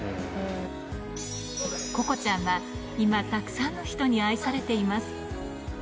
ここちゃんは今たくさんの人に愛されています。